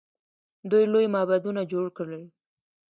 دوی لوی معبدونه جوړ کړل.